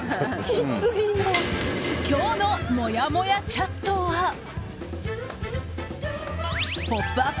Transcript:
今日のもやもやチャットは「ポップＵＰ！」